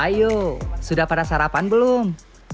ayo sudah pada sarapan belum